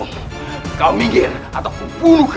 enggk kau minggir atau kubunuh kau